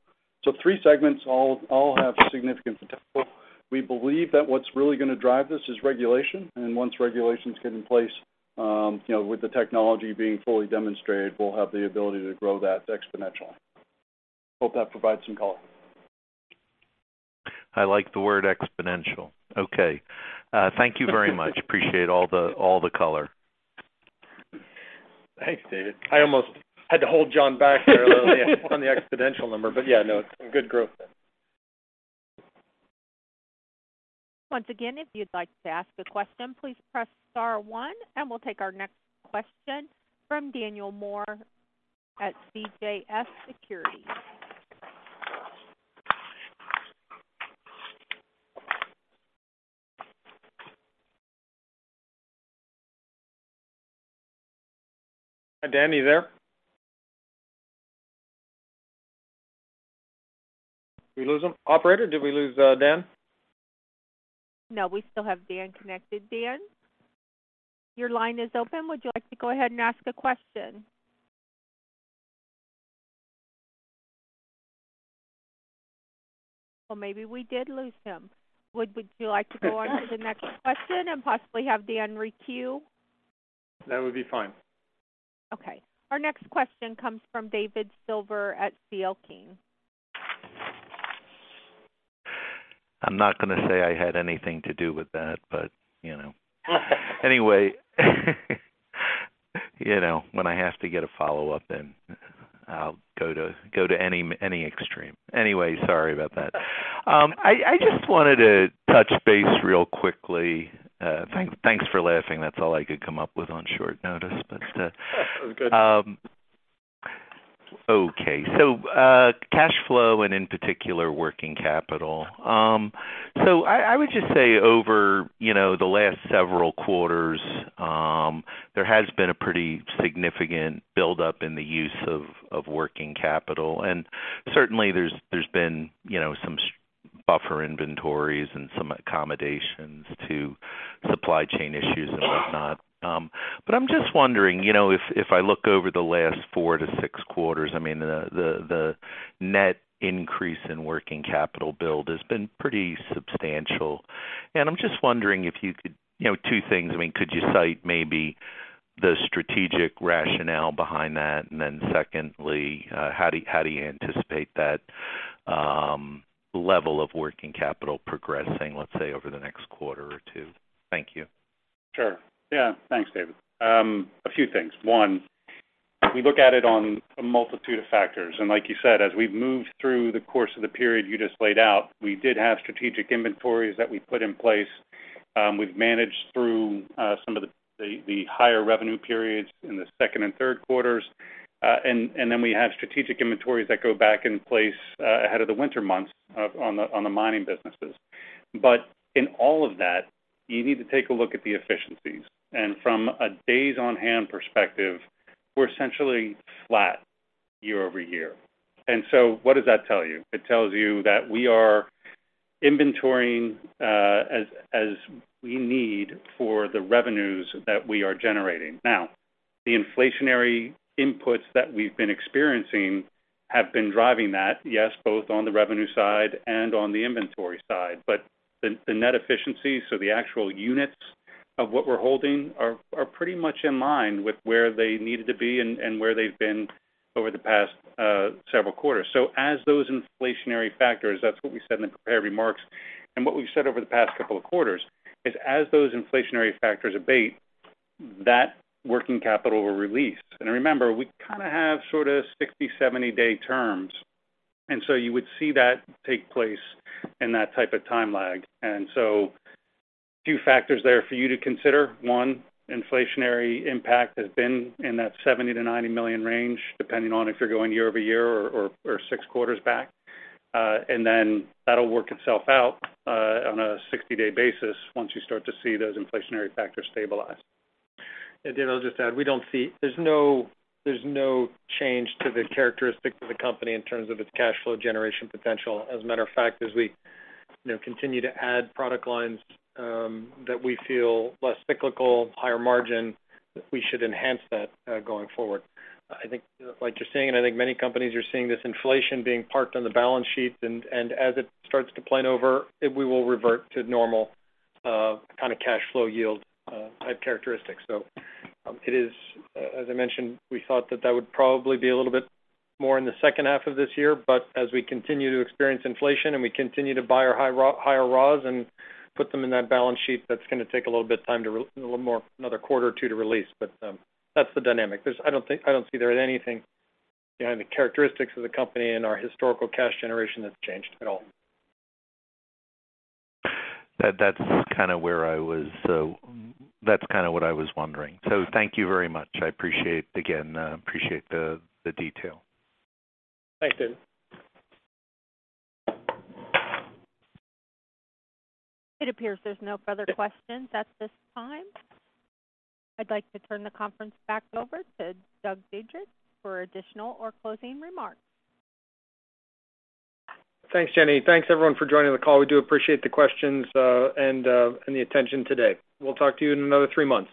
Three segments all have significant potential. We believe that what's really gonna drive this is regulation. Once regulations get in place, you know, with the technology being fully demonstrated, we'll have the ability to grow that exponentially. Hope that provides some color. I like the word exponential. Okay. Thank you very much. Appreciate all the color. Thanks, David. I almost had to hold Jon back there on the exponential number. Yeah, no, it's some good growth there. Once again, if you'd like to ask a question, please press star one, and we'll take our next question from Daniel Moore at CJS Securities. Hi, Dan. Are you there? Did we lose him? Operator, did we lose Dan? No, we still have Dan connected. Dan, your line is open. Would you like to go ahead and ask a question? Well, maybe we did lose him. Would you like to go on to the next question and possibly have Dan re-queue? That would be fine. Okay. Our next question comes from David Silver at C.L. King. I'm not gonna say I had anything to do with that, but you know. Anyway, you know, when I have to get a follow-up in, I'll go to any extreme. Anyway, sorry about that. I just wanted to touch base real quickly. Thanks for laughing. That's all I could come up with on short notice, but. It's good. Okay. Cash flow and in particular, working capital. I would just say over, you know, the last several quarters, there has been a pretty significant build-up in the use of working capital. Certainly there's been, you know, some buffer inventories and some accommodations to supply chain issues and whatnot. I'm just wondering, you know, if I look over the last four to six quarters, I mean, the net increase in working capital build has been pretty substantial. I'm just wondering if you could, you know, two things. I mean, could you cite maybe the strategic rationale behind that? Then secondly, how do you anticipate that level of working capital progressing, let's say, over the next quarter or two? Thank you. Sure. Yeah. Thanks, David. A few things. One, we look at it on a multitude of factors. Like you said, as we've moved through the course of the period you just laid out, we did have strategic inventories that we put in place. We've managed through some of the higher revenue periods in the second and third quarters. And then we have strategic inventories that go back in place ahead of the winter months on the mining businesses. In all of that, you need to take a look at the efficiencies. From a days on hand perspective, we're essentially flat year-over-year. So what does that tell you? It tells you that we are inventorying as we need for the revenues that we are generating. Now, the inflationary inputs that we've been experiencing have been driving that, yes, both on the revenue side and on the inventory side. The net efficiency, so the actual units of what we're holding are pretty much in line with where they needed to be and where they've been over the past several quarters. As those inflationary factors, that's what we said in the prepared remarks, and what we've said over the past couple of quarters, is as those inflationary factors abate, that working capital will release. Remember, we kinda have sorta 60, 70-day terms. You would see that take place in that type of time lag. Two factors there for you to consider. One, inflationary impact has been in that $70 million-$90 million range, depending on if you're going year-over-year or six quarters back. That'll work itself out on a 60-day basis once you start to see those inflationary factors stabilize. David, I'll just add, we don't see—there's no change to the characteristic of the company in terms of its cash flow generation potential. As a matter of fact, as we, you know, continue to add product lines that we feel less cyclical, higher margin, we should enhance that going forward. I think, like you're seeing, and I think many companies are seeing this inflation being parked on the balance sheet. As it starts to play out, we will revert to normal kinda cash flow yield type characteristics. As I mentioned, we thought that that would probably be a little bit more in the second half of this year, but as we continue to experience inflation and we continue to buy our higher raws and put them in that balance sheet, that's gonna take a little bit of time, a little more, another quarter or two to release. That's the dynamic. I don't think I see that anything behind the characteristics of the company and our historical cash generation that's changed at all. That, that's kinda where I was, so that's kinda what I was wondering. Thank you very much. I appreciate, again, the detail. Thanks, David. It appears there's no further questions at this time. I'd like to turn the conference back over to Doug Dietrich for additional or closing remarks. Thanks, Jenny. Thanks everyone for joining the call. We do appreciate the questions and the attention today. We'll talk to you in another three months. Thanks.